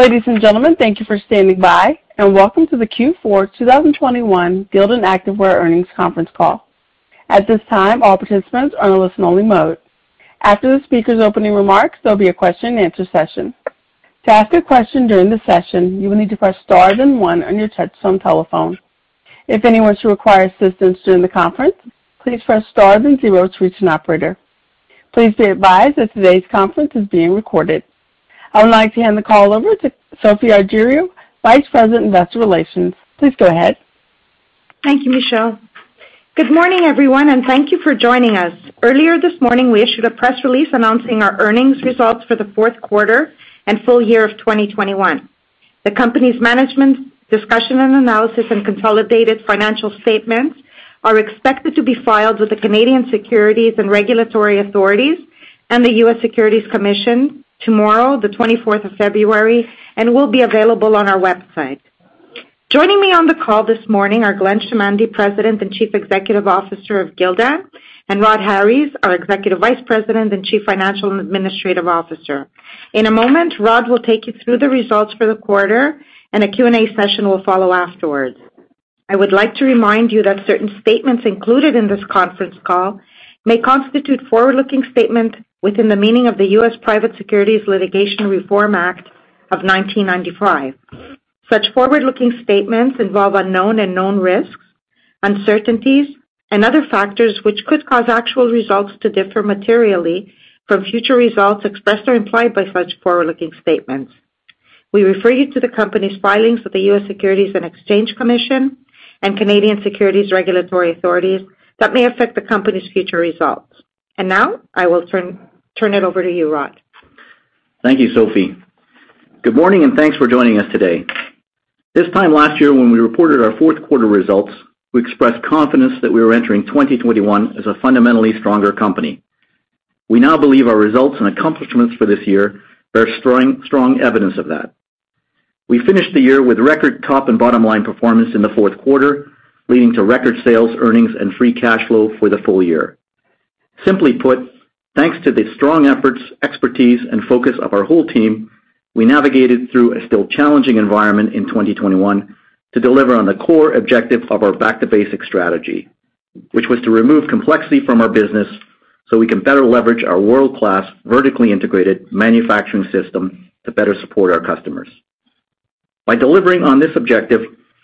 Ladies and gentlemen, thank you for standing by, and welcome to the Q4 2021 Gildan Activewear Earnings Conference Call. At this time, all participants are in a listen-only mode. After the speaker's opening remarks, there'll be a question and answer session. To ask a question during the session, you will need to press star then one on your touchtone telephone. If anyone should require assistance during the conference, please press star then zero to reach an operator. Please be advised that today's conference is being recorded. I would like to hand the call over to Sophie Argiriou, Vice President, Investor Relations. Please go ahead. Thank you, Michelle. Good morning, everyone, and thank you for joining us. Earlier this morning, we issued a press release announcing our earnings results for the fourth quarter and full year of 2021. The company's management discussion and analysis and consolidated financial statements are expected to be filed with the Canadian Securities Administrators and the U.S. Securities and Exchange Commission tomorrow, the 24th of February, and will be available on our website. Joining me on the call this morning are Glenn Chamandy, President and Chief Executive Officer of Gildan, and Rhodri Harries, our Executive Vice President and Chief Financial and Administrative Officer. In a moment, Rod will take you through the results for the quarter, and a Q&A session will follow afterwards. I would like to remind you that certain statements included in this conference call may constitute forward-looking statements within the meaning of the U.S. Private Securities Litigation Reform Act of 1995. Such forward-looking statements involve unknown and known risks, uncertainties, and other factors which could cause actual results to differ materially from future results expressed or implied by such forward-looking statements. We refer you to the company's filings with the U.S. Securities and Exchange Commission and Canadian Securities Administrators that may affect the company's future results. Now I will turn it over to you, Rhod. Thank you, Sophie. Good morning and thanks for joining us today. This time last year, when we reported our fourth quarter results, we expressed confidence that we were entering 2021 as a fundamentally stronger company. We now believe our results and accomplishments for this year are strong evidence of that. We finished the year with record top and bottom line performance in the fourth quarter, leading to record sales, earnings, and free cash flow for the full year. Simply put, thanks to the strong efforts, expertise, and focus of our whole team, we navigated through a still challenging environment in 2021 to deliver on the core objective of our Back to Basics strategy, which was to remove complexity from our business so we can better leverage our world-class, vertically integrated manufacturing system to better support our customers. By delivering on this objective,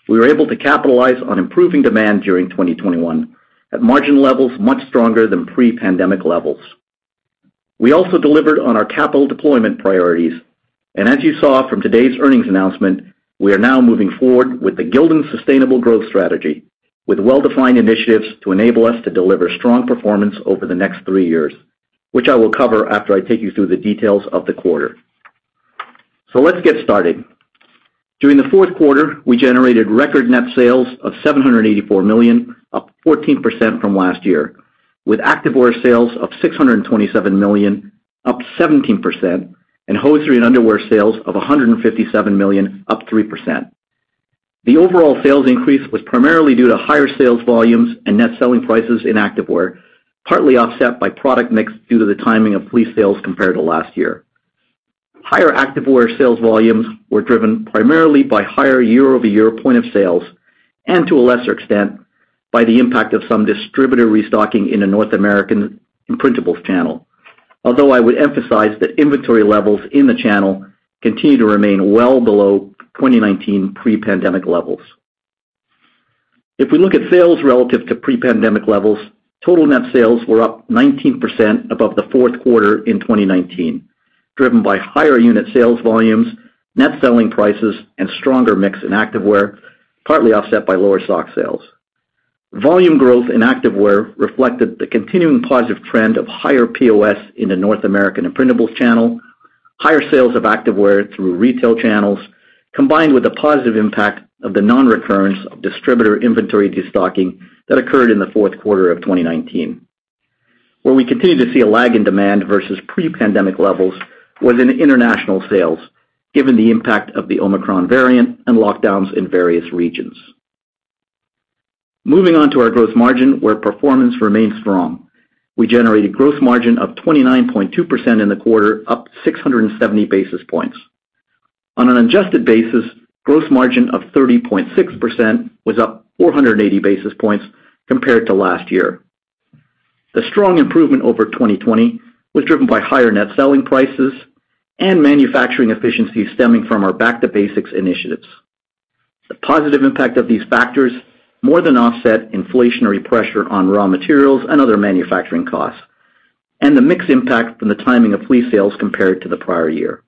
we were able to capitalize on improving demand during 2021 at margin levels much stronger than pre-pandemic levels. We also delivered on our capital deployment priorities, and as you saw from today's earnings announcement, we are now moving forward with the Gildan Sustainable Growth strategy with well-defined initiatives to enable us to deliver strong performance over the next three years, which I will cover after I take you through the details of the quarter. Let's get started. During the fourth quarter, we generated record net sales of $784 million, up 14% from last year. With Activewear sales of $627 million, up 17%, and Hosiery and Underwear sales of $157 million, up 3%. The overall sales increase was primarily due to higher sales volumes and net selling prices in Activewear, partly offset by product mix due to the timing of fleece sales compared to last year. Higher Activewear sales volumes were driven primarily by higher year-over-year point of sales and to a lesser extent by the impact of some distributor restocking in the North American imprintables channel. Although I would emphasize that inventory levels in the channel continue to remain well below 2019 pre-pandemic levels. If we look at sales relative to pre-pandemic levels, total net sales were up 19% above the fourth quarter in 2019, driven by higher unit sales volumes, net selling prices, and stronger mix in Activewear, partly offset by lower sock sales. Volume growth in Activewear reflected the continuing positive trend of higher POS in the North American imprintables channel, higher sales of Activewear through retail channels, combined with the positive impact of the non-recurrence of distributor inventory de-stocking that occurred in the fourth quarter of 2019. Where we continue to see a lag in demand versus pre-pandemic levels was in international sales, given the impact of the Omicron variant and lockdowns in various regions. Moving on to our gross margin where performance remains strong. We generated gross margin of 29.2% in the quarter, up 670 basis points. On an adjusted basis, gross margin of 30.6% was up 480 basis points compared to last year. The strong improvement over 2020 was driven by higher net selling prices and manufacturing efficiencies stemming from our Back to Basics initiatives. The positive impact of these factors more than offset inflationary pressure on raw materials and other manufacturing costs and the mix impact from the timing of fleet sales compared to the prior year.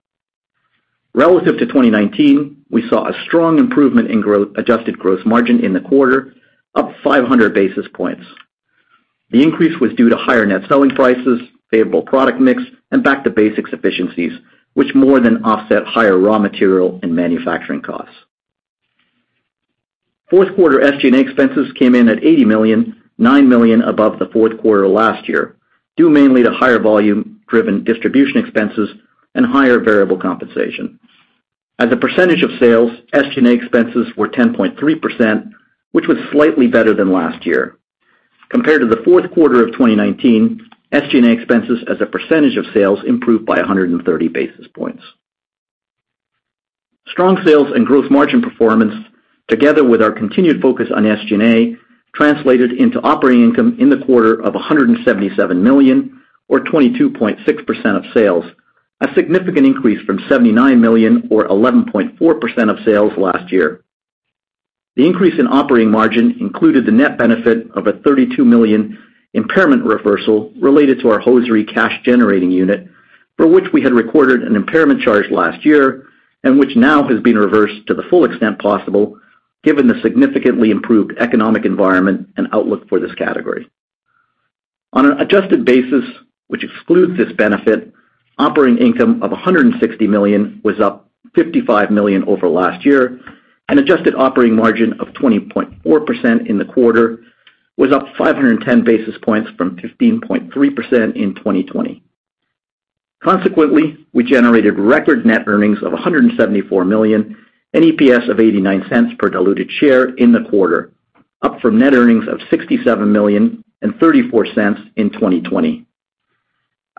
Relative to 2019, we saw a strong improvement in adjusted gross margin in the quarter, up 500 basis points. The increase was due to higher net selling prices, favorable product mix, and Back to Basics efficiencies, which more than offset higher raw material and manufacturing costs. Fourth quarter SG&A expenses came in at $80 million, $9 million above the fourth quarter last year, due mainly to higher volume driven distribution expenses and higher variable compensation. As a percentage of sales, SG&A expenses were 10.3%, which was slightly better than last year. Compared to the fourth quarter of 2019, SG&A expenses as a percentage of sales improved by 130 basis points. Strong sales and gross margin performance, together with our continued focus on SG&A, translated into operating income in the quarter of $177 million or 22.6% of sales, a significant increase from $79 million or 11.4% of sales last year. The increase in operating margin included the net benefit of a $32 million impairment reversal related to our hosiery cash generating unit, for which we had recorded an impairment charge last year and which now has been reversed to the full extent possible given the significantly improved economic environment and outlook for this category. On an adjusted basis, which excludes this benefit, operating income of $160 million was up $55 million over last year, and adjusted operating margin of 20.4% in the quarter was up 510 basis points from 15.3% in 2020. Consequently, we generated record net earnings of $174 million and EPS of $0.89 per diluted share in the quarter, up from net earnings of $67 million and $0.34 in 2020.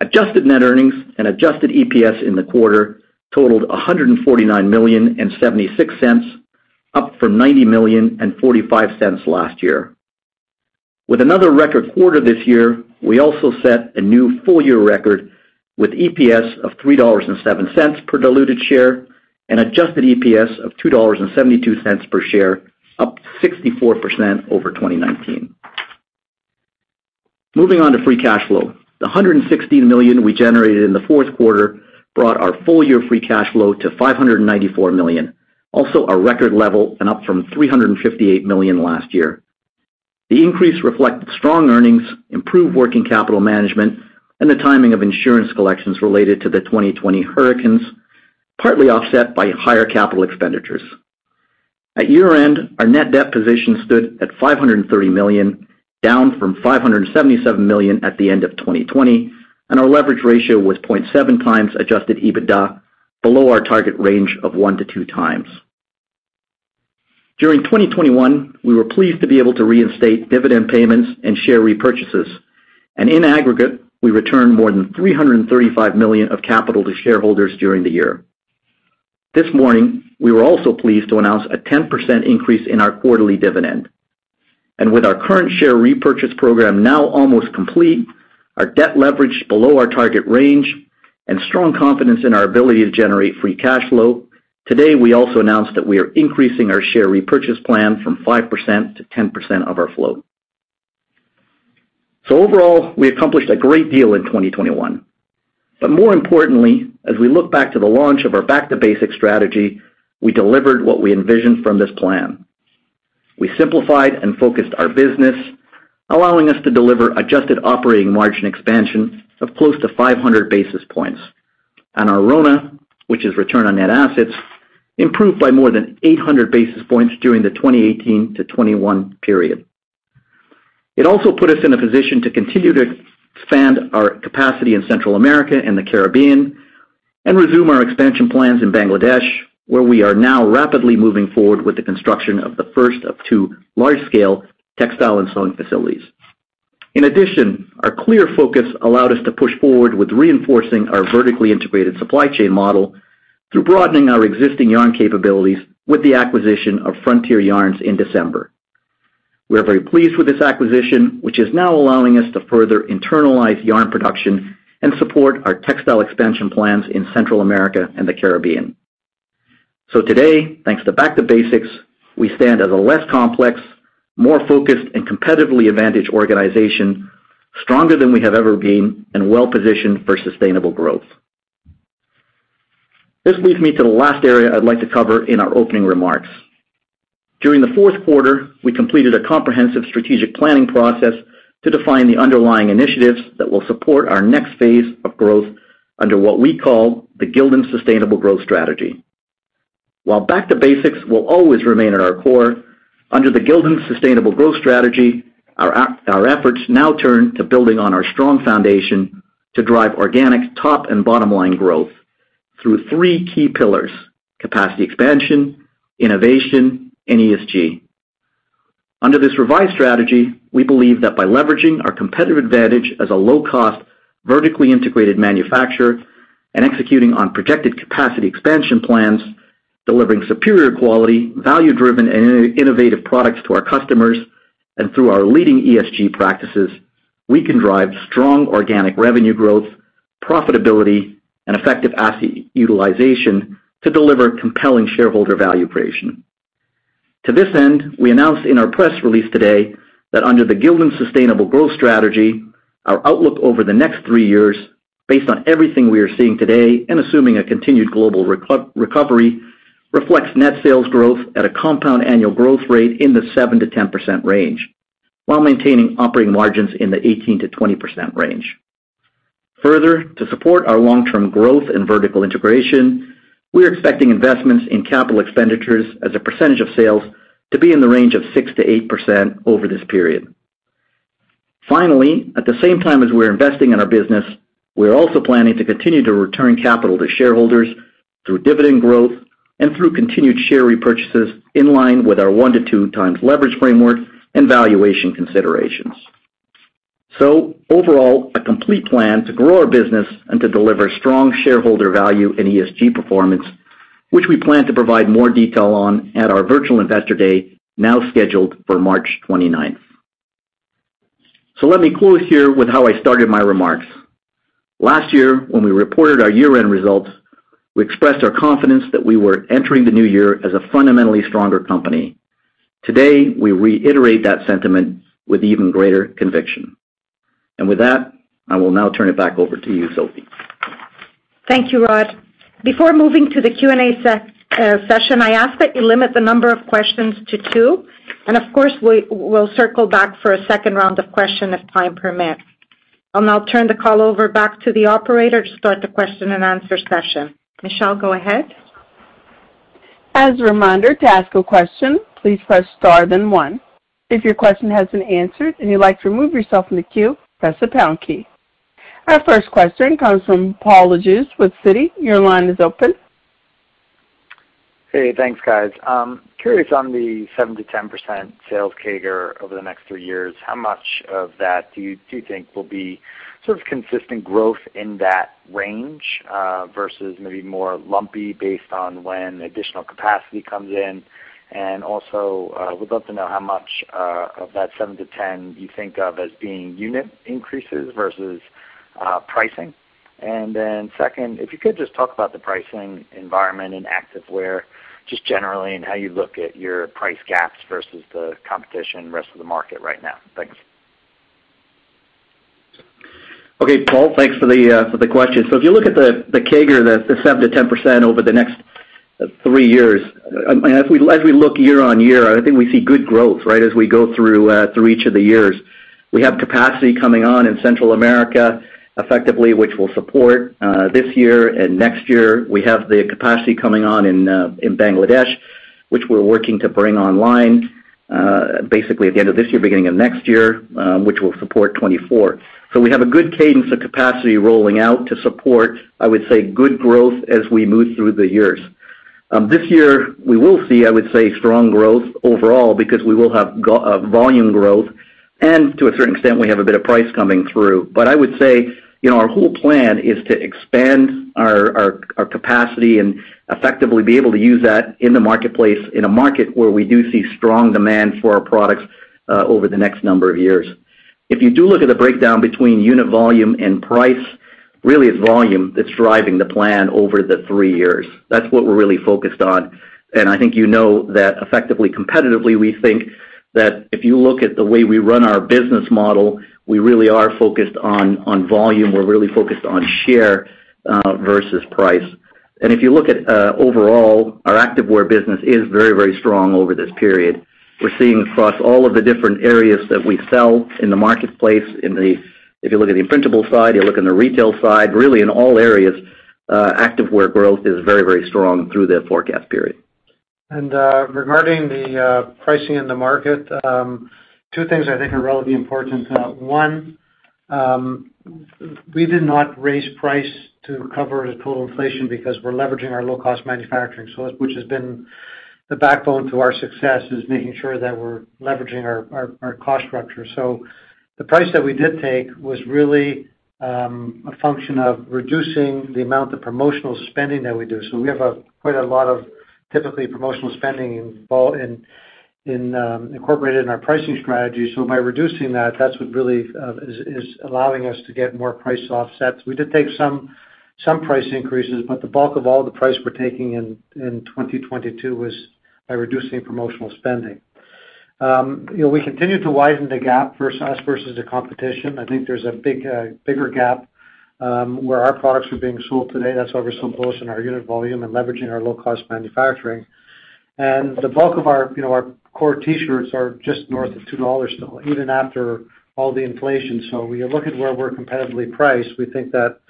Adjusted net earnings and Adjusted EPS in the quarter totaled $149 million and $0.76, up from $90 million and $0.45 last year. With another record quarter this year, we also set a new full-year record with EPS of $3.07 per diluted share and Adjusted EPS of $2.72 per share, up 64% over 2019. Moving on to free cash flow. The $160 million we generated in the fourth quarter brought our full-year free cash flow to $594 million, also a record level and up from $358 million last year. The increase reflected strong earnings, improved working capital management, and the timing of insurance collections related to the 2020 hurricanes, partly offset by higher capital expenditures. At year-end, our net debt position stood at $530 million, down from $577 million at the end of 2020, and our leverage ratio was 0.7x Adjusted EBITDA, below our target range of 1x-2x. During 2021, we were pleased to be able to reinstate dividend payments and share repurchases, and in aggregate, we returned more than $335 million of capital to shareholders during the year. This morning, we were also pleased to announce a 10% increase in our quarterly dividend. With our current share repurchase program now almost complete, our debt leverage below our target range, and strong confidence in our ability to generate free cash flow, today we also announced that we are increasing our share repurchase plan from 5%-10% of our float. Overall, we accomplished a great deal in 2021. More importantly, as we look back to the launch of our Back to Basics strategy, we delivered what we envisioned from this plan. We simplified and focused our business, allowing us to deliver adjusted operating margin expansion of close to 500 basis points. Our RONA, which is return on net assets, improved by more than 800 basis points during the 2018-2021 period. It also put us in a position to continue to expand our capacity in Central America and the Caribbean and resume our expansion plans in Bangladesh, where we are now rapidly moving forward with the construction of the first of two large scale textile and sewing facilities. In addition, our clear focus allowed us to push forward with reinforcing our vertically integrated supply chain model through broadening our existing yarn capabilities with the acquisition of Frontier Yarns in December. We are very pleased with this acquisition, which is now allowing us to further internalize yarn production and support our textile expansion plans in Central America and the Caribbean. Today, thanks to Back to Basics, we stand as a less complex, more focused, and competitively advantaged organization, stronger than we have ever been and well-positioned for sustainable growth. This leads me to the last area I'd like to cover in our opening remarks. During the fourth quarter, we completed a comprehensive strategic planning process to define the underlying initiatives that will support our next phase of growth under what we call the Gildan Sustainable Growth Strategy. While Back to Basics will always remain at our core, under the Gildan Sustainable Growth Strategy, our efforts now turn to building on our strong foundation to drive organic top and bottom line growth through three key pillars, capacity expansion, innovation, and ESG. Under this revised strategy, we believe that by leveraging our competitive advantage as a low-cost, vertically integrated manufacturer and executing on projected capacity expansion plans, delivering superior quality, value-driven, and innovative products to our customers, and through our leading ESG practices, we can drive strong organic revenue growth, profitability, and effective asset utilization to deliver compelling shareholder value creation. To this end, we announced in our press release today that under the Gildan Sustainable Growth strategy, our outlook over the next three years, based on everything we are seeing today and assuming a continued global recovery, reflects net sales growth at a compound annual growth rate in the 7%-10% range while maintaining operating margins in the 18%-20% range. Further, to support our long-term growth and vertical integration, we're expecting investments in capital expenditures as a percentage of sales to be in the range of 6%-8% over this period. Finally, at the same time as we're investing in our business, we are also planning to continue to return capital to shareholders through dividend growth and through continued share repurchases in line with our 1-2 times leverage framework and valuation considerations. Overall, a complete plan to grow our business and to deliver strong shareholder value and ESG performance, which we plan to provide more detail on at our virtual Investor Day, now scheduled for March twenty-ninth. Let me close here with how I started my remarks. Last year, when we reported our year-end results, we expressed our confidence that we were entering the new year as a fundamentally stronger company. Today, we reiterate that sentiment with even greater conviction. With that, I will now turn it back over to you, Sophie. Thank you, Rhod. Before moving to the Q&A session, I ask that you limit the number of questions to two, and of course, we'll circle back for a second round of question if time permits. I'll now turn the call back over to the operator to start the question and answer session. Michelle, go ahead. Our first question comes from Paul Lejuez with Citi. Your line is open. Hey, thanks, guys. Curious on the 7%-10% sales CAGR over the next three years. How much of that do you think will be sort of consistent growth in that range versus maybe more lumpy based on when additional capacity comes in? And also, would love to know how much of that 7%-10% you think of as being unit increases versus pricing. And then second, if you could just talk about the pricing environment in Activewear, just generally, and how you look at your price gaps versus the competition, rest of the market right now. Thanks. Okay, Paul, thanks for the question. If you look at the CAGR, the 7%-10% over the next three years, I mean, as we look year-over-year, I mean, I think we see good growth, right? As we go through each of the years. We have capacity coming on in Central America effectively, which we'll support this year and next year. We have the capacity coming on in Bangladesh, which we're working to bring online basically at the end of this year, beginning of next year, which will support 2024. We have a good cadence of capacity rolling out to support, I would say, good growth as we move through the years. This year, we will see, I would say, strong growth overall because we will have volume growth. To a certain extent, we have a bit of price coming through. I would say, you know, our whole plan is to expand our capacity and effectively be able to use that in the marketplace, in a market where we do see strong demand for our products, over the next number of years. If you do look at the breakdown between unit volume and price, really it's volume that's driving the plan over the three years. That's what we're really focused on. I think you know that effectively, competitively, we think that if you look at the way we run our business model, we really are focused on volume. We're really focused on share, versus price. If you look at overall, our Activewear business is very, very strong over this period. We're seeing across all of the different areas that we sell in the marketplace, if you look at the imprintable side, you look on the retail side, really in all areas, Activewear growth is very, very strong through the forecast period. Regarding the pricing in the market, two things I think are relatively important. One, we did not raise price to recover the total inflation because we're leveraging our low-cost manufacturing which has been the backbone to our success is making sure that we're leveraging our cost structure. The price that we did take was really a function of reducing the amount of promotional spending that we do. We have quite a lot of typically promotional spending involved in incorporated in our pricing strategy. By reducing that's what really is allowing us to get more price offsets. We did take some price increases, but the bulk of all the price we're taking in 2022 was by reducing promotional spending. You know, we continue to widen the gap versus us versus the competition. I think there's a bigger gap where our products are being sold today. That's why we're so bullish on our unit volume and leveraging our low-cost manufacturing. The bulk of our, you know, core T-shirts are just north of $2 still, even after all the inflation. When you look at where we're competitively priced, we think that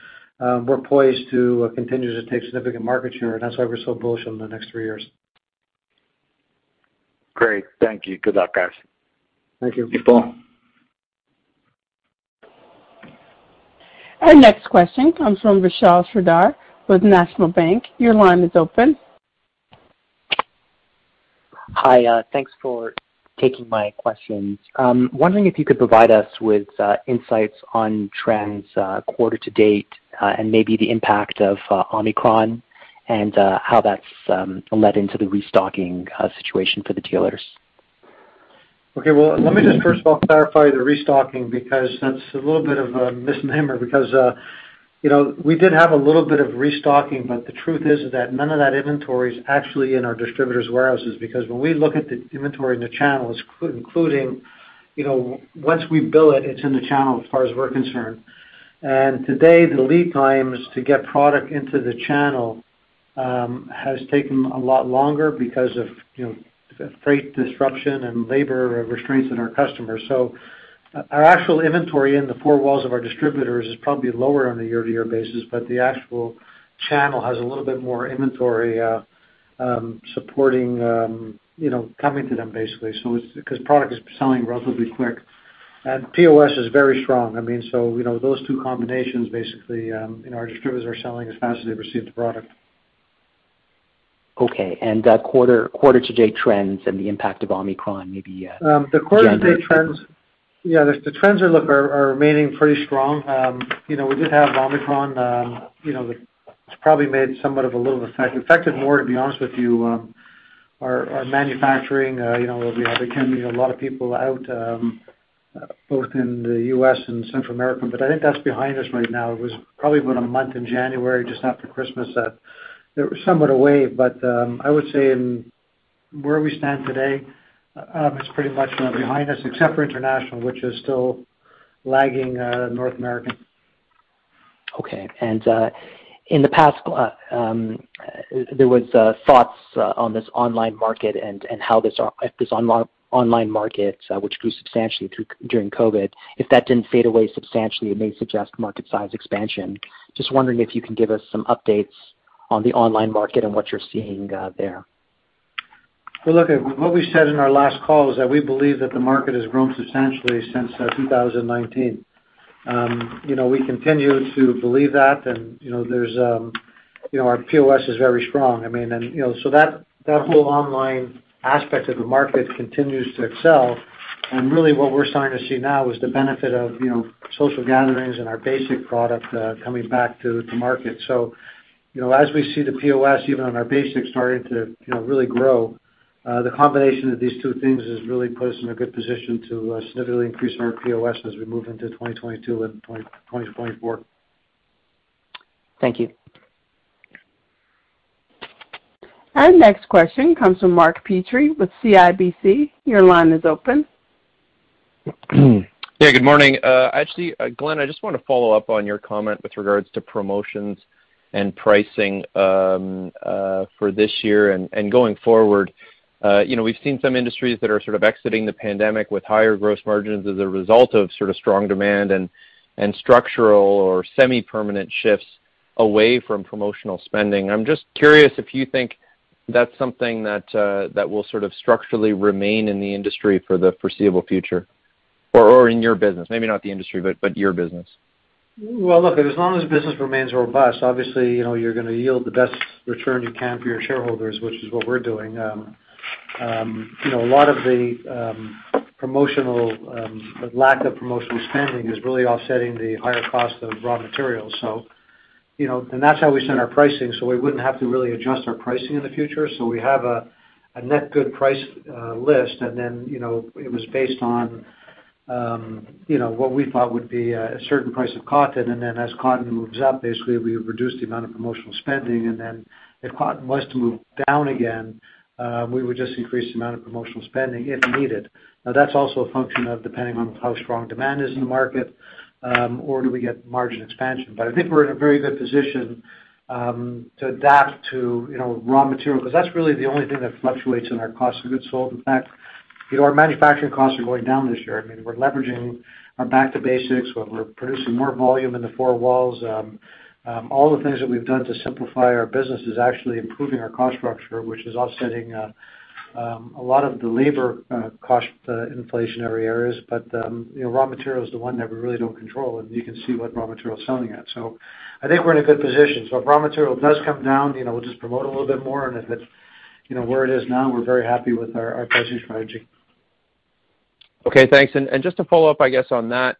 we're poised to continue to take significant market share, and that's why we're so bullish on the next three years. Great. Thank you. Good luck, guys. Thank you. Thank you, Paul. Our next question comes from Vishal Shreedhar with National Bank. Your line is open. Hi, thanks for taking my questions. Wondering if you could provide us with insights on trends quarter to date, and maybe the impact of Omicron and how that's led into the restocking situation for the dealers. Okay. Well, let me just first of all clarify the restocking because that's a little bit of a misnomer because, you know, we did have a little bit of restocking, but the truth is that none of that inventory is actually in our distributors' warehouses. Because when we look at the inventory in the channels, including, you know, once we bill it's in the channel as far as we're concerned. Today, the lead times to get product into the channel has taken a lot longer because of, you know, freight disruption and labor restraints in our customers. Our actual inventory in the four walls of our distributors is probably lower on a year-to-year basis, but the actual channel has a little bit more inventory, supporting, you know, coming to them basically. It's because product is selling relatively quick. POS is very strong. I mean, so, you know, those two combinations basically, you know, our distributors are selling as fast as they receive the product. Okay. Quarter-to-date trends and the impact of Omicron, maybe, generally. The quarter-to-date trends, the trends are remaining pretty strong. You know, we did have Omicron. You know, it's probably made somewhat of a little effect. It affected more, to be honest with you, our manufacturing. You know, we have a lot of people out, both in the U.S. and Central America. I think that's behind us right now. It was probably about a month in January, just after Christmas, that there was somewhat a wave. I would say in where we stand today, it's pretty much behind us, except for international, which is still lagging North American. In the past, there was thoughts on this online market and how this online market, which grew substantially during COVID, if that didn't fade away substantially, it may suggest market size expansion. Just wondering if you can give us some updates on the online market and what you're seeing there. Well, look, what we said in our last call is that we believe that the market has grown substantially since 2019. You know, we continue to believe that. You know, there's you know, our POS is very strong. I mean, you know, so that whole online aspect of the market continues to excel. Really what we're starting to see now is the benefit of you know, social gatherings and our basic product coming back to market. You know, as we see the POS, even on our basics, starting to you know, really grow, the combination of these two things has really put us in a good position to significantly increase our POS as we move into 2022 and 2024. Thank you. Our next question comes from Mark Petrie with CIBC. Your line is open. Yeah, good morning. Actually, Glenn, I just want to follow up on your comment with regards to promotions and pricing for this year and going forward. You know, we've seen some industries that are sort of exiting the pandemic with higher gross margins as a result of sort of strong demand and structural or semi-permanent shifts away from promotional spending. I'm just curious if you think that's something that will sort of structurally remain in the industry for the foreseeable future or in your business, maybe not the industry, but your business. Well, look, as long as business remains robust, obviously, you know, you're gonna yield the best return you can for your shareholders, which is what we're doing. You know, a lot of the lack of promotional spending is really offsetting the higher cost of raw materials. You know, that's how we set our pricing, so we wouldn't have to really adjust our pricing in the future. We have a net good price list and then, you know, it was based on, you know, what we thought would be a certain price of cotton. As cotton moves up, basically, we reduce the amount of promotional spending. If cotton was to move down again, we would just increase the amount of promotional spending if needed. Now, that's also a function of depending on how strong demand is in the market, or do we get margin expansion. I think we're in a very good position to adapt to, you know, raw materials, because that's really the only thing that fluctuates in our cost of goods sold. In fact, you know, our manufacturing costs are going down this year. I mean, we're leveraging our Back to Basics. We're producing more volume in the four walls. All the things that we've done to simplify our business is actually improving our cost structure, which is offsetting a lot of the labor cost inflationary areas. You know, raw material is the one that we really don't control, and you can see what raw material is selling at. I think we're in a good position. If raw material does come down, you know, we'll just promote a little bit more. If it's, you know, where it is now, we're very happy with our pricing strategy. Okay, thanks. Just to follow up, I guess, on that,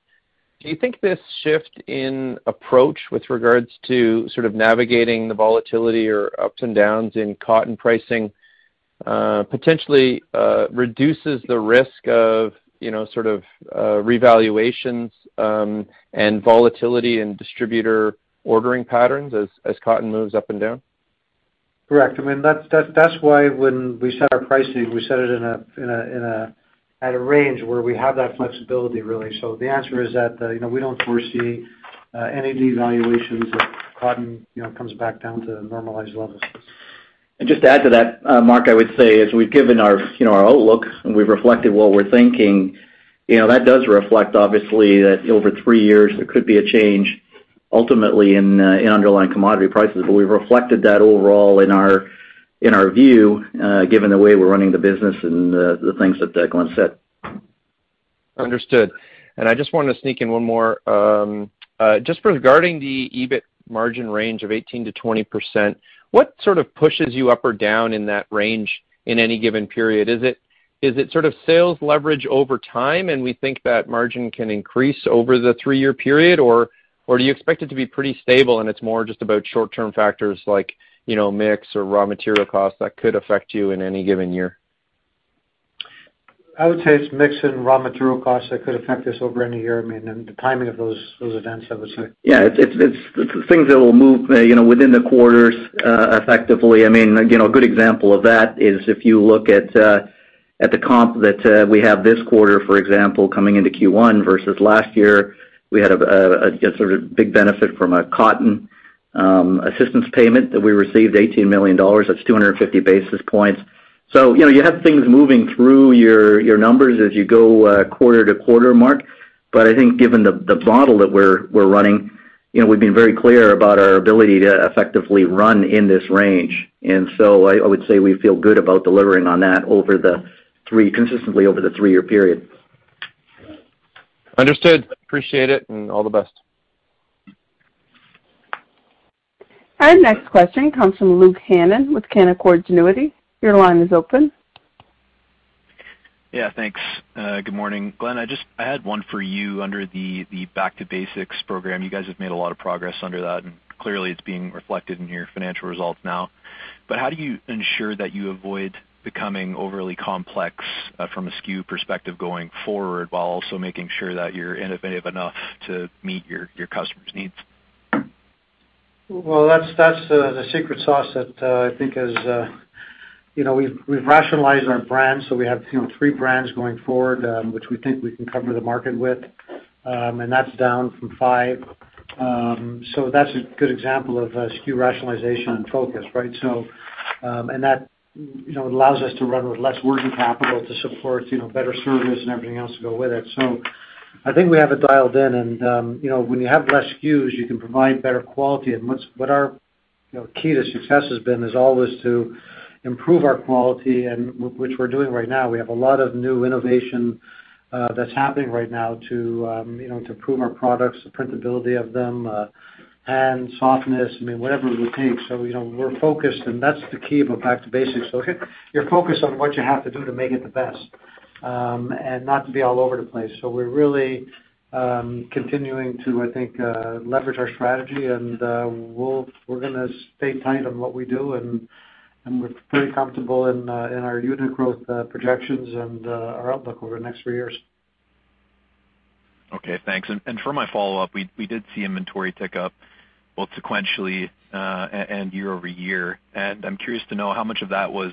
do you think this shift in approach with regards to sort of navigating the volatility or ups and downs in cotton pricing, potentially, reduces the risk of, you know, sort of, revaluations, and volatility in distributor ordering patterns as cotton moves up and down? Correct. I mean, that's why when we set our pricing, we set it at a range where we have that flexibility, really. The answer is that, you know, we don't foresee any devaluations if cotton, you know, comes back down to normalized levels. Just to add to that, Mark, I would say, as we've given our, you know, our outlook and we've reflected what we're thinking, you know, that does reflect obviously that over three years, there could be a change ultimately in underlying commodity prices. But we've reflected that overall in our view, given the way we're running the business and the things that, Glenn said. Understood. I just want to sneak in one more. Just regarding the EBIT margin range of 18%-20%, what sort of pushes you up or down in that range in any given period? Is it sort of sales leverage over time, and we think that margin can increase over the three-year period? Or do you expect it to be pretty stable and it's more just about short-term factors like, you know, mix or raw material costs that could affect you in any given year? I would say it's mix and raw material costs that could affect us over any year. I mean, and the timing of those events, I would say. Yeah, it's things that will move, you know, within the quarters, effectively. I mean, you know, a good example of that is if you look at the comp that we have this quarter, for example, coming into Q1 versus last year, we had a sort of big benefit from a cotton assistance payment that we received, $18 million. That's 250 basis points. You know, you have things moving through your numbers as you go, quarter to quarter, Mark. I think given the model that we're running, you know, we've been very clear about our ability to effectively run in this range. I would say we feel good about delivering on that consistently over the three-year period. Understood. Appreciate it, and all the best. Our next question comes from Luke Hannan with Canaccord Genuity. Your line is open. Thanks. Good morning, Glenn. I had one for you under the Back to Basics program. You guys have made a lot of progress under that, and clearly it's being reflected in your financial results now. How do you ensure that you avoid becoming overly complex from a SKU perspective going forward, while also making sure that you're innovative enough to meet your customers' needs? Well, that's the secret sauce that I think is. You know, we've rationalized our brands, so we have, you know, three brands going forward, which we think we can cover the market with, and that's down from five. That's a good example of SKU rationalization and focus, right? That allows us to run with less working capital to support, you know, better service and everything else to go with it. I think we have it dialed in and, you know, when you have less SKUs, you can provide better quality. What's our key to success has been is always to improve our quality and which we're doing right now. We have a lot of new innovation, that's happening right now to, you know, to improve our products, the printability of them, and softness. I mean, whatever it will take. You know, we're focused, and that's the key of a Back to Basics. You're focused on what you have to do to make it the best, and not to be all over the place. We're really continuing to, I think, leverage our strategy and, we're gonna stay tight on what we do and we're pretty comfortable in our unit growth projections and our outlook over the next three years. Okay, thanks. For my follow-up, we did see inventory tick up both sequentially and year-over-year. I'm curious to know how much of that was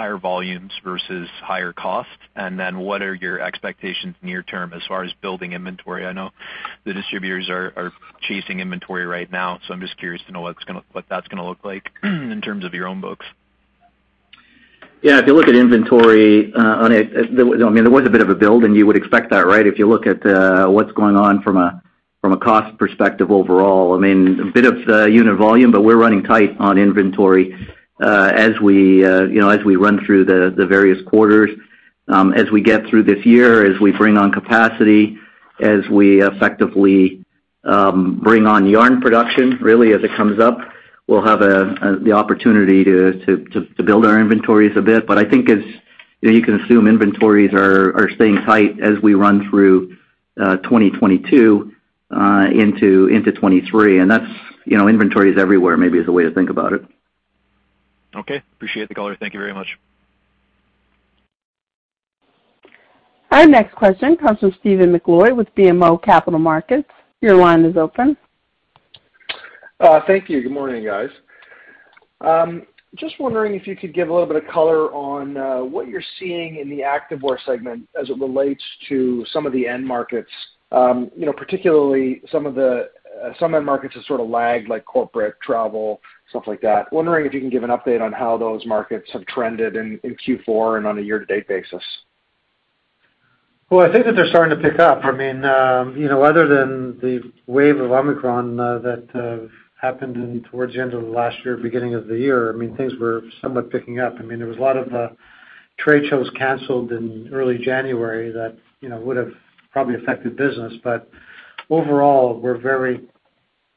higher volumes versus higher costs. What are your expectations near term as far as building inventory? I know the distributors are chasing inventory right now, so I'm just curious to know what that's gonna look like in terms of your own books. Yeah. If you look at inventory, I mean, there was a bit of a build, and you would expect that, right? If you look at what's going on from a cost perspective overall, I mean, a bit of unit volume, but we're running tight on inventory as we, you know, as we run through the various quarters. As we get through this year, as we bring on capacity, as we effectively bring on yarn production really as it comes up, we'll have the opportunity to build our inventories a bit. But I think, you know, you can assume inventories are staying tight as we run through 2022 into 2023. That's, you know, inventory is everywhere, maybe, is a way to think about it. Okay. Appreciate the color. Thank you very much. Our next question comes from Stephen MacLeod with BMO Capital Markets. Your line is open. Thank you. Good morning, guys. Just wondering if you could give a little bit of color on what you're seeing in the Activewear segment as it relates to some of the end markets. You know, particularly some end markets have sort of lagged, like corporate, travel, stuff like that. Wondering if you can give an update on how those markets have trended in Q4 and on a year-to-date basis. Well, I think that they're starting to pick up. I mean, you know, other than the wave of Omicron that happened towards the end of last year, beginning of the year, I mean, things were somewhat picking up. I mean, there was a lot of trade shows canceled in early January that, you know, would have probably affected business. But overall, we're very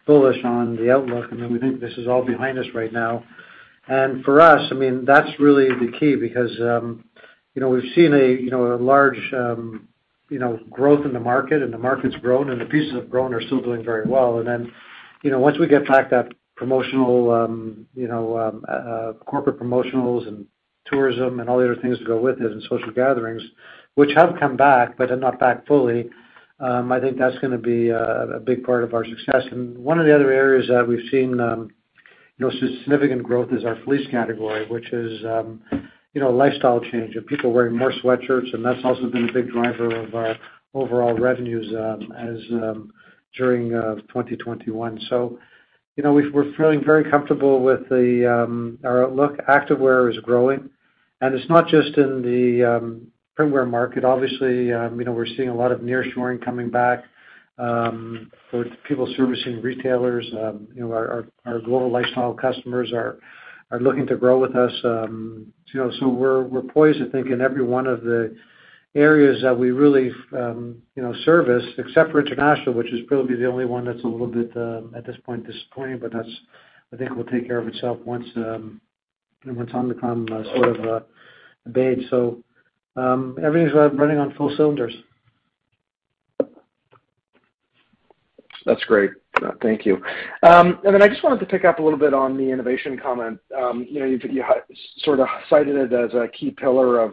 bullish on the outlook, and we think this is all behind us right now. For us, I mean, that's really the key because, you know, we've seen a, you know, a large growth in the market and the market's grown and the pieces that have grown are still doing very well. You know, once we get back that corporate promotionals and tourism and all the other things that go with it and social gatherings, which have come back but are not back fully, I think that's gonna be a big part of our success. One of the other areas that we've seen, you know, significant growth is our fleece category, which is, you know, a lifestyle change and people wearing more sweatshirts, and that's also been a big driver of our overall revenues as during 2021. You know, we're feeling very comfortable with our outlook. Activewear is growing, and it's not just in the printwear market. Obviously, you know, we're seeing a lot of nearshoring coming back with people servicing retailers. You know, our global lifestyle customers are looking to grow with us. You know, we're poised, I think, in every one of the areas that we really service, except for international, which is probably the only one that's a little bit at this point disappointing, but that's, I think, will take care of itself once you know, once Omicron sort of abates. Everything's running on full cylinders. That's great. Thank you. I just wanted to pick up a little bit on the innovation comment. You know, you've sort of cited it as a key pillar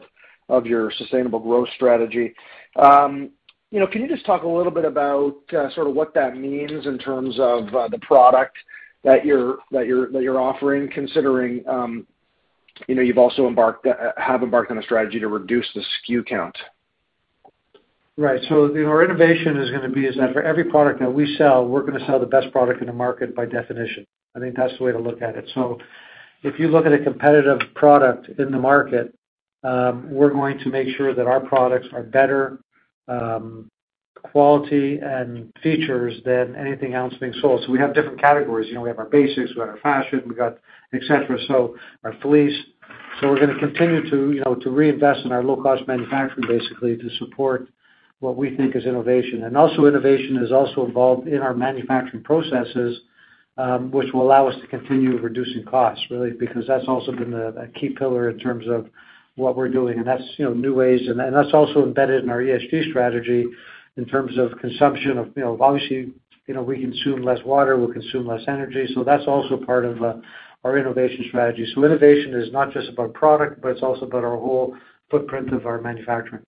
of your Sustainable Growth strategy. You know, can you just talk a little bit about sort of what that means in terms of the product that you're offering, considering you know, you've also embarked on a strategy to reduce the SKU count? Right. You know, our innovation is gonna be that for every product that we sell, we're gonna sell the best product in the market by definition. I think that's the way to look at it. If you look at a competitive product in the market, we're going to make sure that our products are better quality and features than anything else being sold. We have different categories. You know, we have our basics, we have our fashion, et cetera, so our fleece. We're gonna continue to you know to reinvest in our low cost manufacturing basically to support what we think is innovation. Innovation is also involved in our manufacturing processes, which will allow us to continue reducing costs, really, because that's also been a key pillar in terms of what we're doing. That's, you know, new ways. That's also embedded in our ESG strategy in terms of consumption of, you know, obviously, you know, we consume less water, we consume less energy. That's also part of our innovation strategy. Innovation is not just about product, but it's also about our whole footprint of our manufacturing.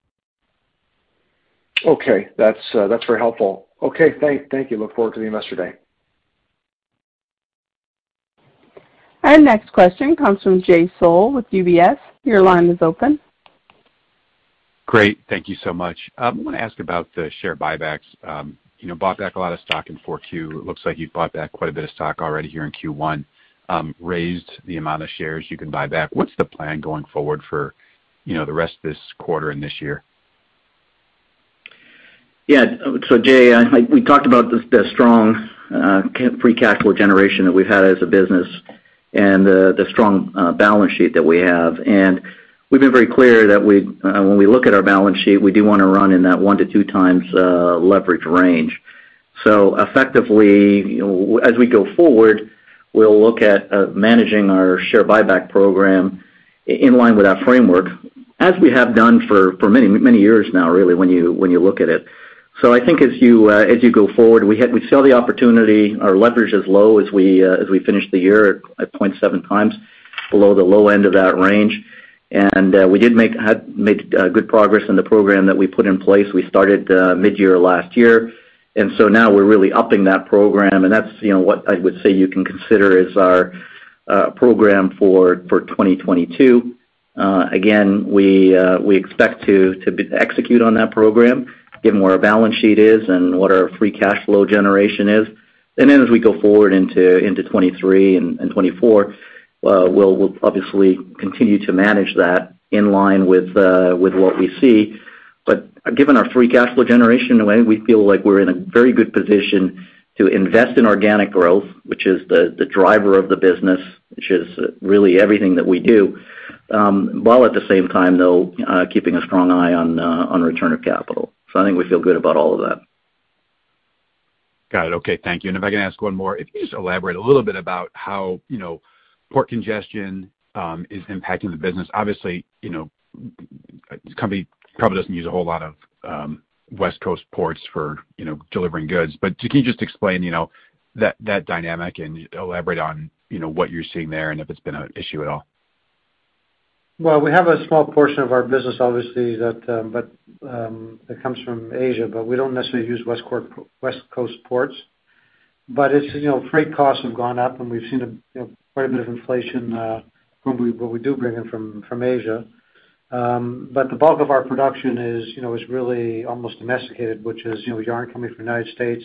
Okay. That's, that's very helpful. Okay, thank you. I look forward to the investor day. Our next question comes from Jay Sole with UBS. Your line is open. Great. Thank you so much. I wanna ask about the share buybacks. You know, bought back a lot of stock in Q4. Looks like you've bought back quite a bit of stock already here in Q1, raised the amount of shares you can buy back. What's the plan going forward for, you know, the rest of this quarter and this year? Yeah. Jay, we talked about the strong free cash flow generation that we've had as a business and the strong balance sheet that we have. We've been very clear that when we look at our balance sheet, we do wanna run in that 1-2 times leverage range. Effectively, you know, as we go forward, we'll look at managing our share buyback program in line with our framework, as we have done for many years now, really, when you look at it. I think as you go forward, we saw the opportunity. Our leverage is low as we finish the year at 0.7 times below the low end of that range. We had made good progress in the program that we put in place. We started midyear last year, and so now we're really upping that program. That's, you know, what I would say you can consider is our program for 2022. Again, we expect to execute on that program given where our balance sheet is and what our free cash flow generation is. Then as we go forward into 2023 and 2024, we'll obviously continue to manage that in line with what we see. Given our free cash flow generation, the way we feel like we're in a very good position to invest in organic growth, which is the driver of the business, which is really everything that we do, while at the same time though, keeping a strong eye on return of capital. I think we feel good about all of that. Got it. Okay, thank you. If I can ask one more, if you could just elaborate a little bit about how, you know, port congestion is impacting the business. Obviously, you know, the company probably doesn't use a whole lot of West Coast ports for, you know, delivering goods, but can you just explain, you know, that dynamic and elaborate on, you know, what you're seeing there and if it's been an issue at all? Well, we have a small portion of our business obviously that comes from Asia, but we don't necessarily use West Coast ports. It's, you know, freight costs have gone up and we've seen a, you know, quite a bit of inflation from what we do bring in from Asia. The bulk of our production is, you know, really almost domesticated, which is, you know, yarn coming from the United States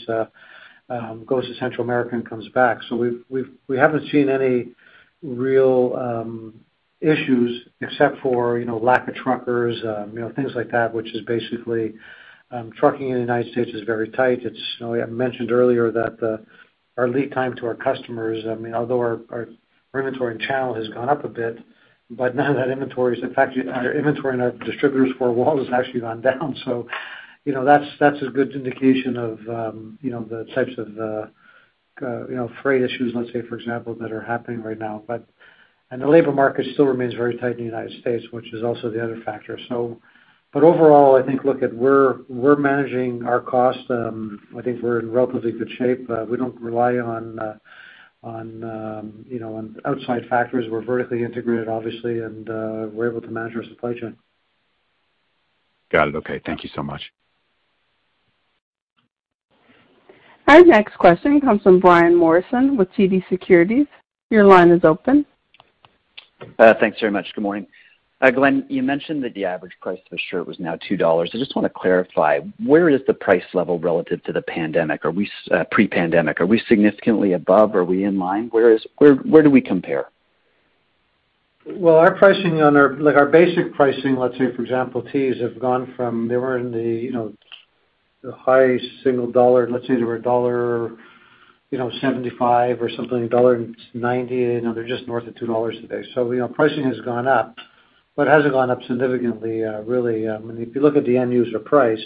goes to Central America and comes back. We haven't seen any real issues except for, you know, lack of truckers, you know, things like that, which is basically trucking in the United States is very tight. It's, you know, I mentioned earlier that our lead time to our customers. I mean, although our inventory and channel has gone up a bit, but now that inventory is in fact our inventory and our distributors for Walmart has actually gone down. You know, that's a good indication of you know, the types of freight issues, let's say for example, that are happening right now. The labor market still remains very tight in the United States, which is also the other factor. Overall, I think, look, we're managing our cost. I think we're in relatively good shape. We don't rely on you know, on outside factors. We're vertically integrated obviously, and we're able to manage our supply chain. Got it. Okay. Thank you so much. Our next question comes from Brian Morrison with TD Securities. Your line is open. Thanks very much. Good morning. Glenn, you mentioned that the average price of a shirt was now $2. I just wanna clarify, where is the price level relative to the pandemic? Are we pre-pandemic? Are we significantly above? Are we in line? Where do we compare? Well, like our basic pricing, let's say for example, tees have gone from they were in the, you know, the high single dollar. Let's say they were a dollar, you know, 75 or something, $1.90. You know, they're just north of $2 today. Pricing has gone up, but it hasn't gone up significantly, really. And if you look at the end user price,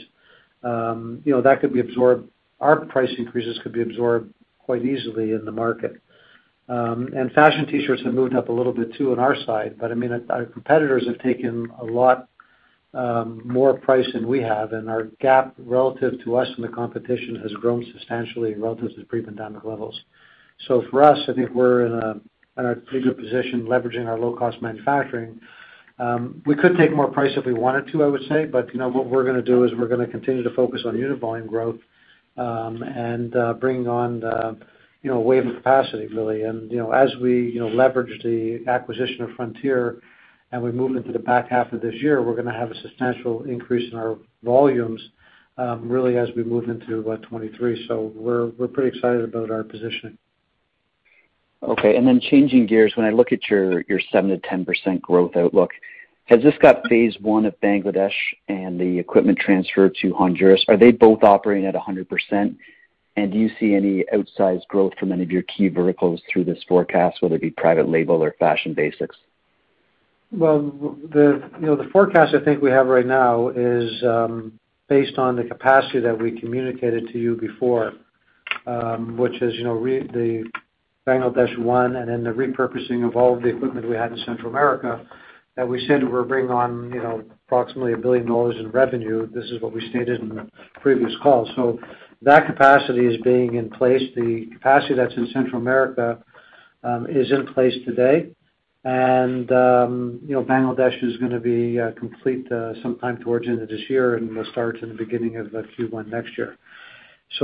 you know, that could be absorbed. Our price increases could be absorbed quite easily in the market. And fashion T-shirts have moved up a little bit too on our side. I mean, our competitors have taken a lot more price than we have, and our gap relative to us in the competition has grown substantially relative to pre-pandemic levels. For us, I think we're in a pretty good position leveraging our low cost manufacturing. We could take more price if we wanted to, I would say. You know, what we're gonna do is we're gonna continue to focus on unit volume growth, and bringing on the, you know, wave of capacity really. You know, as we, you know, leverage the acquisition of Frontier and we move into the back half of this year, we're gonna have a substantial increase in our volumes, really as we move into 2023. We're pretty excited about our positioning. Okay. Changing gears. When I look at your 7%-10% growth outlook, has this got phase one of Bangladesh and the equipment transfer to Honduras? Are they both operating at 100%? Do you see any outsized growth from any of your key verticals through this forecast, whether it be private label or fashion basics? Well, you know, the forecast I think we have right now is based on the capacity that we communicated to you before, which is, you know, the Bangladesh one, and then the repurposing of all the equipment we had in Central America that we said we're bringing on, you know, approximately $1 billion in revenue. This is what we stated in the previous call. That capacity is being in place. The capacity that's in Central America is in place today. You know, Bangladesh is gonna be complete sometime towards the end of this year and will start in the beginning of Q1 next year.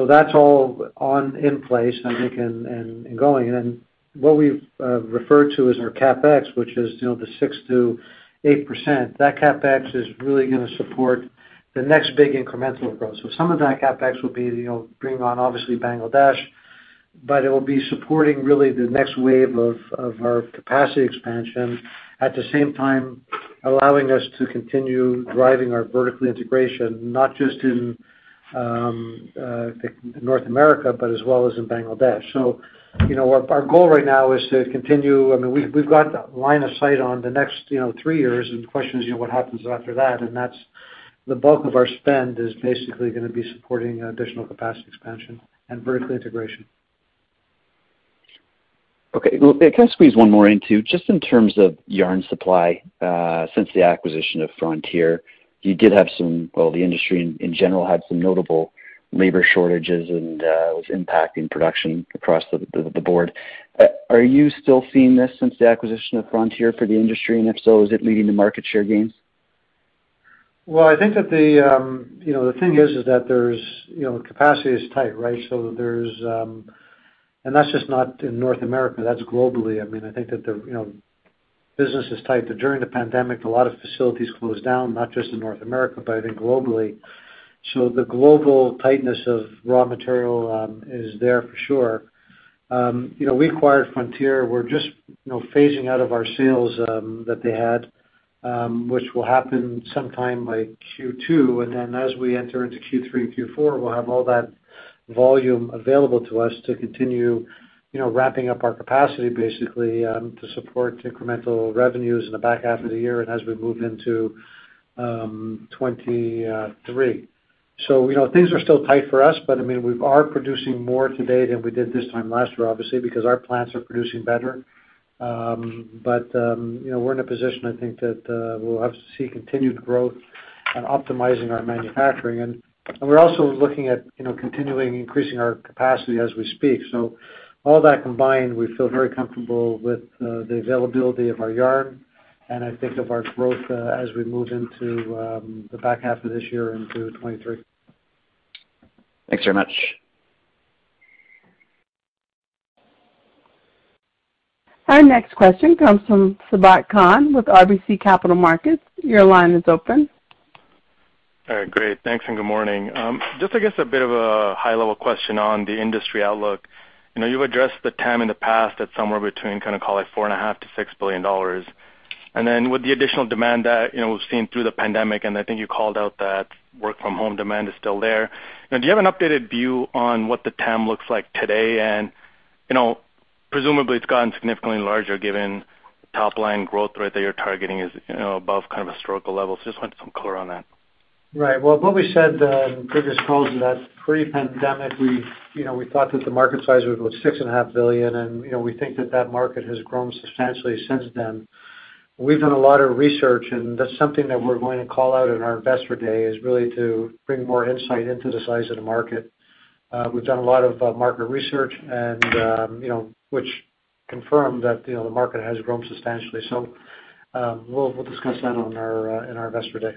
That's all on in place, I think, and going. What we've referred to as our CapEx, which is, you know, the 6%-8%, that CapEx is really gonna support the next big incremental growth. Some of that CapEx will be, you know, bringing on obviously Bangladesh, but it will be supporting really the next wave of our capacity expansion. At the same time, allowing us to continue driving our vertical integration, not just in North America, but as well as in Bangladesh. Our goal right now is to continue. I mean, we've got line of sight on the next three years. The question is, you know, what happens after that? That's the bulk of our spend is basically gonna be supporting additional capacity expansion and vertical integration. Okay. Well, can I squeeze one more in too? Just in terms of yarn supply, since the acquisition of Frontier, well, the industry in general had some notable labor shortages and was impacting production across the board. Are you still seeing this since the acquisition of Frontier for the industry? And if so, is it leading to market share gains? Well, I think that the, you know, the thing is that there's, you know, capacity is tight, right? That's just not in North America, that's globally. I mean, I think that the, you know, business is tight, that during the pandemic, a lot of facilities closed down, not just in North America, but I think globally. The global tightness of raw material is there for sure. You know, we acquired Frontier. We're just, you know, phasing out of our sales that they had, which will happen sometime by Q2. As we enter into Q3, Q4, we'll have all that volume available to us to continue, you know, ramping up our capacity basically to support incremental revenues in the back half of the year and as we move into 2023. You know, things are still tight for us, but I mean, we are producing more today than we did this time last year, obviously, because our plants are producing better. But you know, we're in a position, I think, that we'll have to see continued growth and optimizing our manufacturing. And we're also looking at, you know, continuing increasing our capacity as we speak. All that combined, we feel very comfortable with the availability of our yarn and I think of our growth as we move into the back half of this year into 2023. Thanks very much. Our next question comes from Sabahat Khan with RBC Capital Markets. Your line is open. All right. Great. Thanks, and good morning. Just I guess a bit of a high-level question on the industry outlook. You know, you've addressed the TAM in the past at somewhere between kind of call it $4.5 billion-$6 billion. With the additional demand that, you know, we've seen through the pandemic, and I think you called out that work from home demand is still there. You know, do you have an updated view on what the TAM looks like today? You know, presumably it's gotten significantly larger given top line growth rate that you're targeting is, you know, above kind of historical levels. Just want some color on that. Right. Well, what we said in previous calls is that pre-pandemic we, you know, we thought that the market size was $6.5 billion. You know, we think that that market has grown substantially since then. We've done a lot of research, and that's something that we're going to call out in our Investor Day is really to bring more insight into the size of the market. We've done a lot of market research and, you know, which confirmed that, you know, the market has grown substantially. We'll discuss that in our Investor Day.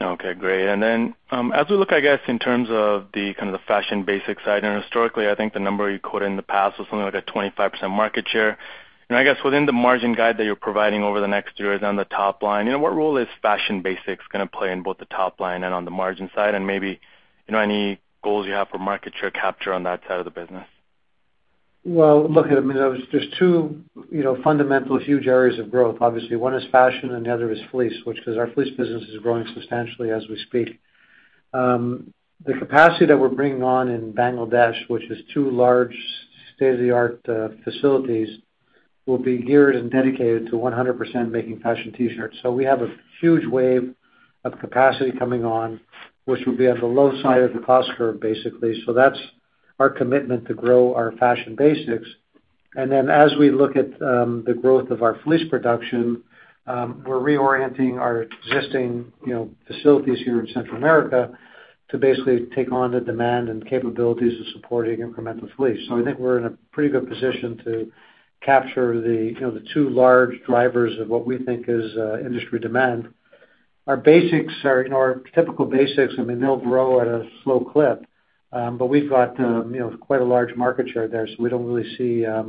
Okay, great. Then, as we look, I guess, in terms of the kind of the fashion basics side, and historically, I think the number you quoted in the past was something like a 25% market share. You know, I guess within the margin guide that you're providing over the next two years on the top line, you know, what role is fashion basics gonna play in both the top line and on the margin side? And maybe, you know, any goals you have for market share capture on that side of the business? Well, look, I mean, there's two, you know, fundamental huge areas of growth. Obviously, one is fashion and the other is fleece, which is our fleece business is growing substantially as we speak. The capacity that we're bringing on in Bangladesh, which is two large state-of-the-art facilities, will be geared and dedicated to 100% making fashion T-shirts. So we have a huge wave of capacity coming on, which will be at the low side of the cost curve, basically. So that's our commitment to grow our fashion basics. Then as we look at the growth of our fleece production, we're reorienting our existing, you know, facilities here in Central America to basically take on the demand and capabilities of supporting incremental fleece. I think we're in a pretty good position to capture the, you know, the two large drivers of what we think is industry demand. Our basics are, you know, our typical basics. I mean, they'll grow at a slow clip. We've got, you know, quite a large market share there, so we don't really see a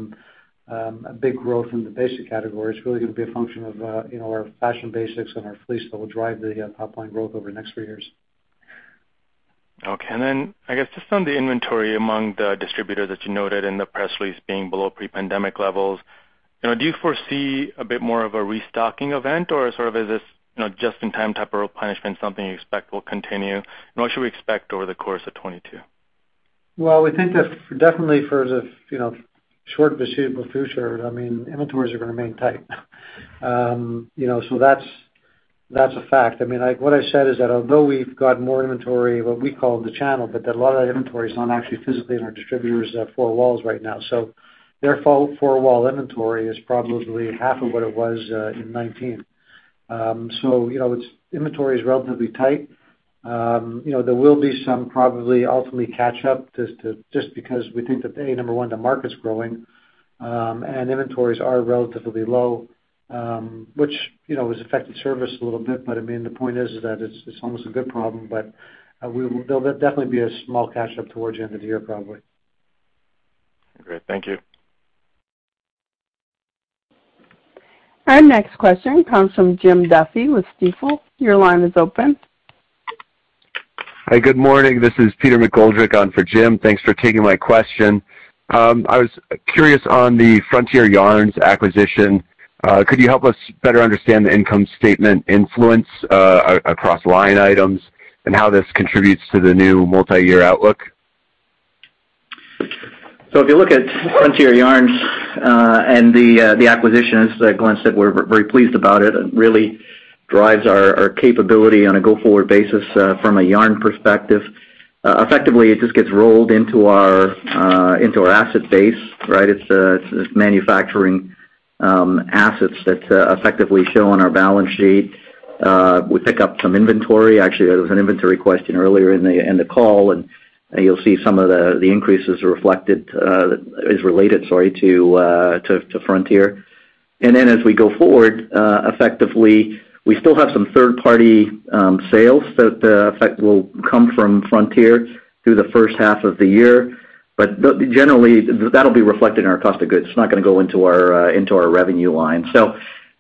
big growth in the basic category. It's really gonna be a function of, you know, our fashion basics and our fleece that will drive the top line growth over the next three years. Okay. I guess just on the inventory among the distributors that you noted in the press release being below pre-pandemic levels, you know, do you foresee a bit more of a restocking event or sort of is this, you know, just-in-time type of punishment something you expect will continue? What should we expect over the course of 2022? Well, we think that definitely for the, you know, short foreseeable future, I mean, inventories are gonna remain tight. You know, so that's a fact. I mean, like, what I said is that although we've got more inventory, what we call the channel, but that a lot of that inventory is not actually physically in our distributors four walls right now. So their four wall inventory is probably half of what it was in 2019. So, you know, it's inventory is relatively tight. You know, there will be some probably ultimately catch up just because we think that, A, number one, the market's growing, and inventories are relatively low, which, you know, has affected service a little bit. I mean, the point is that it's almost a good problem. There will definitely be a small catch up towards the end of the year probably. Great. Thank you. Our next question comes from Jim Duffy with Stifel. Your line is open. Hi, good morning. This is Peter McGoldrick on for Jim. Thanks for taking my question. I was curious on the Frontier Yarns acquisition. Could you help us better understand the income statement influence across line items and how this contributes to the new multi-year outlook? If you look at Frontier Yarns and the acquisition, as Glenn said, we're very pleased about it. It really drives our capability on a go-forward basis from a yarn perspective. Effectively, it just gets rolled into our asset base, right? It's manufacturing assets that effectively show on our balance sheet. We pick up some inventory. Actually, there was an inventory question earlier in the call, and you'll see some of the increases reflected is related, sorry, to Frontier. As we go forward, effectively, we still have some third-party sales that in fact will come from Frontier through the first half of the year. Generally, that'll be reflected in our cost of goods. It's not gonna go into our revenue line.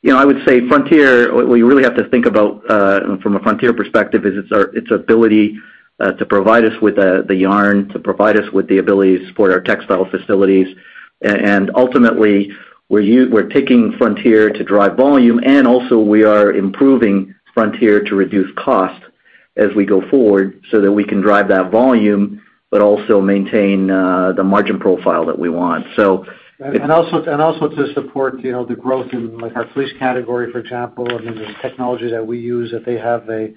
You know, I would say Frontier, what we really have to think about from a Frontier perspective is its ability to provide us with the yarn, to provide us with the ability to support our textile facilities. Ultimately, we're taking Frontier to drive volume, and also we are improving Frontier to reduce cost as we go forward so that we can drive that volume but also maintain the margin profile that we want. also to support, you know, the growth in like our fleece category, for example. I mean, the technology that we use that they have a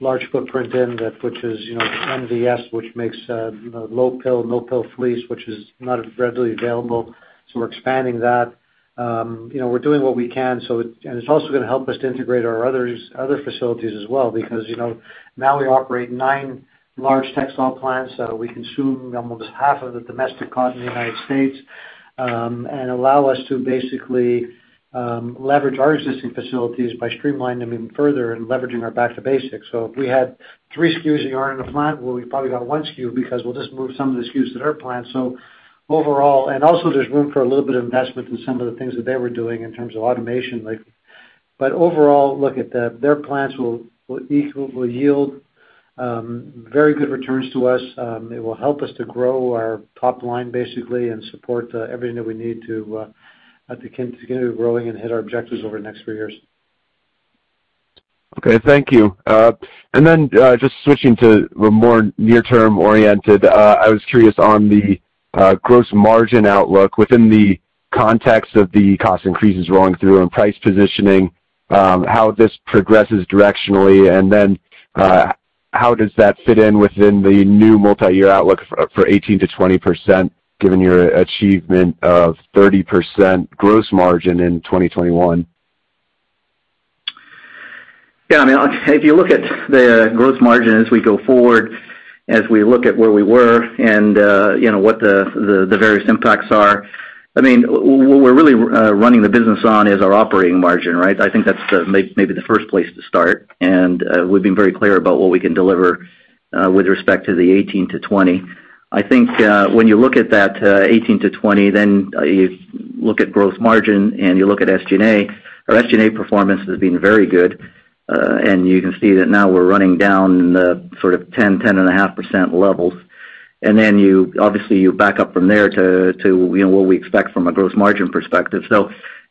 large footprint in that, which is, you know, MVS, which makes, you know, low pill, no pill fleece, which is not readily available. We're expanding that. You know, we're doing what we can. It's also gonna help us to integrate our other facilities as well because, you know, now we operate nine large textile plants. We consume almost half of the domestic cotton in the United States, and allow us to basically leverage our existing facilities by streamlining them even further and leveraging our Back to Basics. If we had three SKUs of yarn in a plant, well, we probably got one SKU because we'll just move some of the SKUs to their plant. Overall, also there's room for a little bit of investment in some of the things that they were doing in terms of automation. Like, but overall, look at that. Their plants will yield very good returns to us. It will help us to grow our top line basically and support everything that we need to continue growing and hit our objectives over the next three years. Okay. Thank you. And then, just switching to a more near-term oriented, I was curious on the gross margin outlook within the context of the cost increases rolling through and price positioning, how this progresses directionally and then, how does that fit in within the new multi-year outlook for 18%-20% given your achievement of 30% gross margin in 2021? Yeah. I mean, if you look at the gross margin as we go forward, as we look at where we were and you know, what the various impacts are, I mean, what we're really running the business on is our operating margin, right? I think that's maybe the first place to start. We've been very clear about what we can deliver with respect to the 18%-20%. I think when you look at that 18%-20%, then you look at gross margin and you look at SG&A, our SG&A performance has been very good. You can see that now we're running down the sort of 10-10.5% levels. Then you obviously back up from there to you know, what we expect from a gross margin perspective.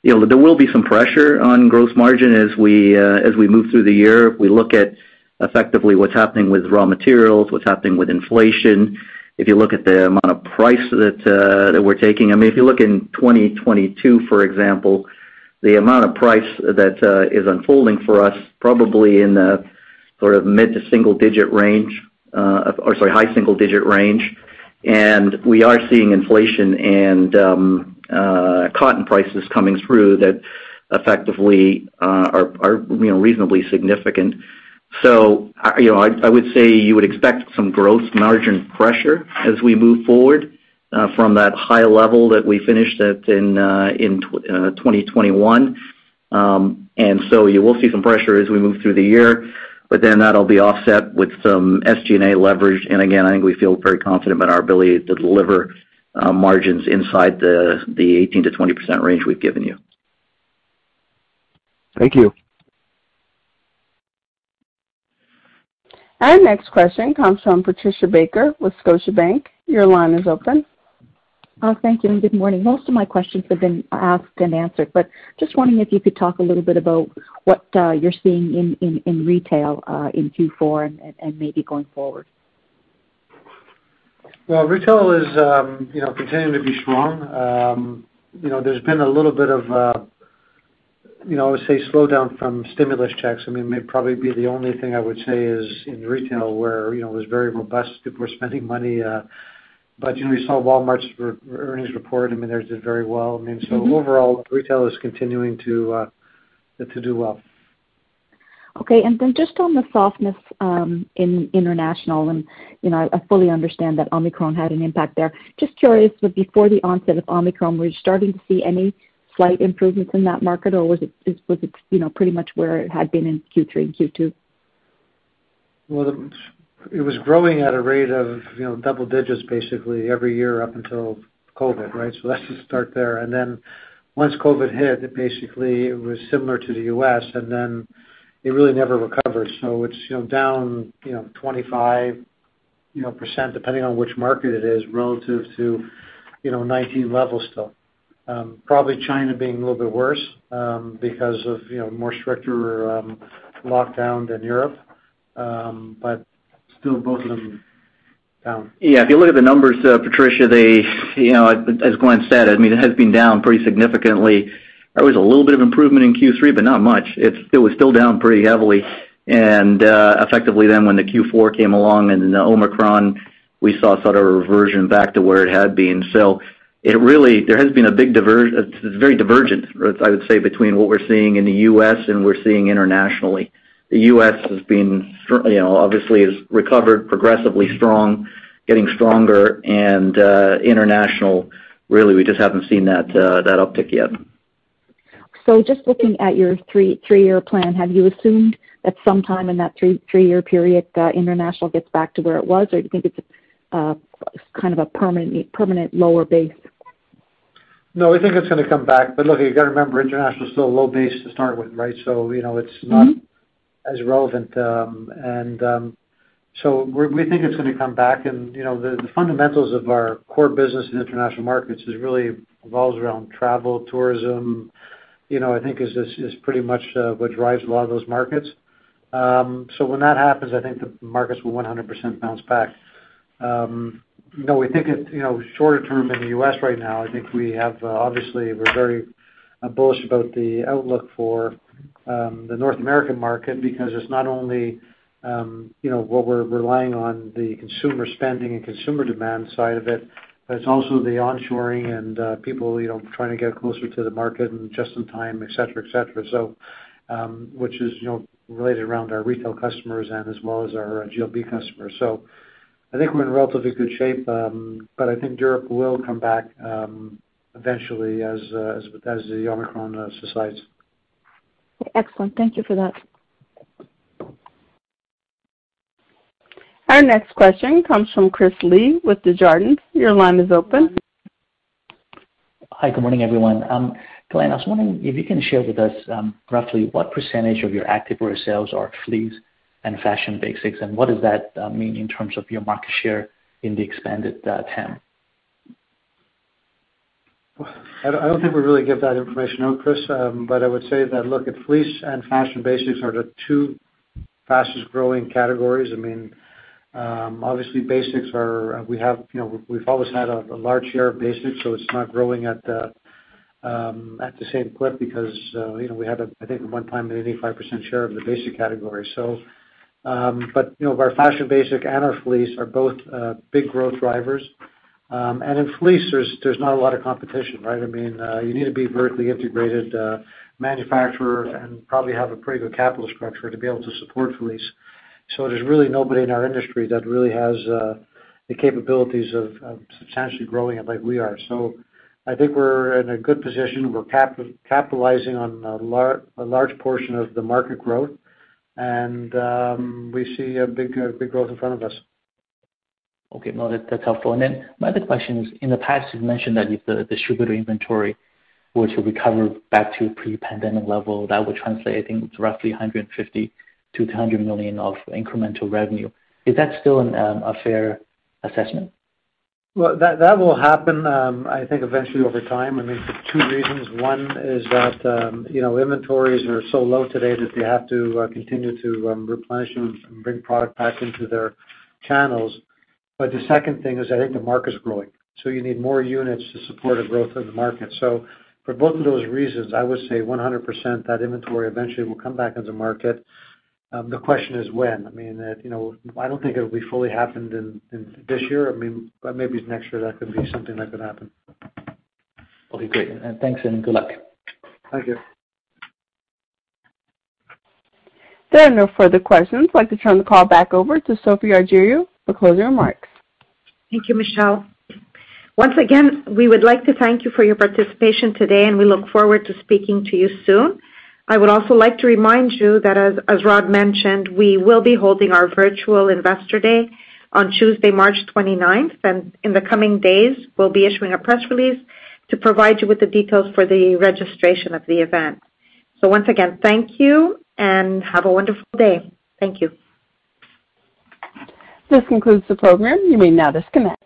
You know, there will be some pressure on gross margin as we move through the year. If we look at effectively what's happening with raw materials, what's happening with inflation, if you look at the amount of price that we're taking. I mean, if you look in 2022, for example, the amount of price that is unfolding for us probably in the sort of mid to single digit range, or sorry, high single digit range. We are seeing inflation and cotton prices coming through that effectively are, you know, reasonably significant. You know, I would say you would expect some gross margin pressure as we move forward from that high level that we finished at in 2021. You will see some pressure as we move through the year, but then that'll be offset with some SG&A leverage. Again, I think we feel very confident about our ability to deliver margins inside the 18%-20% range we've given you. Thank you. Our next question comes from Patricia Baker with Scotiabank. Your line is open. Thank you, and good morning. Most of my questions have been asked and answered, just wondering if you could talk a little bit about what you're seeing in retail in Q4 and maybe going forward. Well, retail is, you know, continuing to be strong. You know, there's been a little bit of a, you know, say, slowdown from stimulus checks. I mean, maybe probably be the only thing I would say is in retail where, you know, it was very robust. People were spending money. You know, we saw Walmart's recent earnings report. I mean, theirs did very well. I mean, overall, retail is continuing to do well. Okay. Just on the softness in international and, you know, I fully understand that Omicron had an impact there. Just curious, but before the onset of Omicron, were you starting to see any slight improvements in that market, or was it, you know, pretty much where it had been in Q3 and Q2? Well, it was growing at a rate of, you know, double digits, basically every year up until COVID, right? Let's just start there. Once COVID hit, it basically was similar to the U.S., and then it really never recovered. It's, you know, down, you know, 25%, depending on which market it is relative to, you know, 2019 levels still. Probably China being a little bit worse, because of, you know, more stricter lockdown than Europe. Still both of them down. Yeah. If you look at the numbers, Patricia, they, you know, as Glenn said, I mean, it has been down pretty significantly. There was a little bit of improvement in Q3, but not much. It was still down pretty heavily. Effectively, when the Q4 came along and the Omicron, we saw sort of a reversion back to where it had been. It really has been a big divergence. It's very divergent, I would say, between what we're seeing in the U.S. and we're seeing internationally. The U.S. has been, you know, obviously has recovered progressively strong, getting stronger. International, really, we just haven't seen that uptick yet. Just looking at your three-year plan, have you assumed that sometime in that three-year period, international gets back to where it was, or do you think it's kind of a permanent lower base? No, I think it's gonna come back. Look, you gotta remember, international is still a low base to start with, right? You know, it's not as relevant. We think it's gonna come back. You know, the fundamentals of our core business in international markets is really revolves around travel, tourism, you know, I think is pretty much what drives a lot of those markets. When that happens, I think the markets will 100% bounce back. No, we think it, you know, shorter term in the U.S. right now. I think we have, obviously we're very bullish about the outlook for the North American market because it's not only, you know, what we're relying on the consumer spending and consumer demand side of it, but it's also the onshoring and, people, you know, trying to get closer to the market and just in time, et cetera, et cetera. Which is, you know, related around our retail customers and as well as our GLB customers. I think we're in relatively good shape. I think Europe will come back eventually as the Omicron subsides. Excellent. Thank you for that. Our next question comes from Chris Li with Desjardins. Your line is open. Hi. Good morning, everyone. Glenn, I was wondering if you can share with us, roughly what percentage of your Activewear sales are fleece and fashion basics, and what does that mean in terms of your market share in the expanded TAM? I don't think we really give that information out, Chris. I would say that, look, fleece and fashion basics are the two fastest-growing categories. Obviously, basics are. You know, we've always had a large share of basics, so it's not growing at the same clip because, you know, we had, I think, at one time an 85% share of the basic category. Our fashion basic and our fleece are both big growth drivers. In fleece, there's not a lot of competition, right? You need to be vertically integrated manufacturer and probably have a pretty good capital structure to be able to support fleece. There's really nobody in our industry that really has the capabilities of substantially growing it like we are. I think we're in a good position. We're capitalizing on a large portion of the market growth, and we see a big growth in front of us. Okay. No, that's helpful. Then my other question is, in the past, you've mentioned that if the distributor inventory were to recover back to pre-pandemic level, that would translate, I think, to roughly $150 million-$200 million of incremental revenue. Is that still a fair assessment? Well, that will happen, I think eventually over time. I mean, for two reasons. One is that, you know, inventories are so low today that they have to continue to replenish and bring product back into their channels. The second thing is, I think the market's growing, so you need more units to support a growth of the market. For both of those reasons, I would say 100% that inventory eventually will come back into market. The question is when. I mean, you know, I don't think it'll be fully happened in this year. Maybe next year that could be something that could happen. Okay, great. Thanks and good luck. Thank you. There are no further questions. I'd like to turn the call back over to Sophie Argiriou for closing remarks. Thank you, Michelle. Once again, we would like to thank you for your participation today, and we look forward to speaking to you soon. I would also like to remind you that as Rod mentioned, we will be holding our virtual investor day on Tuesday, March 29th. In the coming days, we'll be issuing a press release to provide you with the details for the registration of the event. Once again, thank you and have a wonderful day. Thank you. This concludes the program. You may now disconnect.